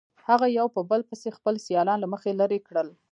هغه یو په بل پسې خپل سیالان له مخې لرې کړل.